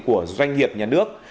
của doanh nghiệp nhà nước